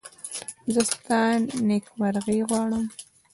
زه ستا نېکمرغي غواړم.